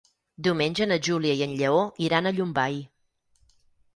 Diumenge na Júlia i en Lleó iran a Llombai.